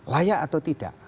layak atau tidak